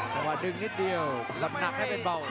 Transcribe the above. จังหวะดึงนิดเดียวลำหนักไม่เป็นเบา